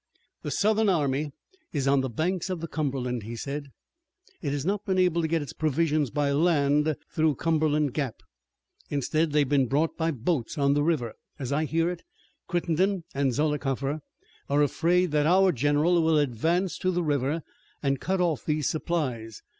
"The Southern army is on the banks of the Cumberland," he said. "It has not been able to get its provisions by land through Cumberland Gap. Instead they have been brought by boats on the river. As I hear it, Crittenden and Zollicoffer are afraid that our general will advance to the river an' cut off these supplies.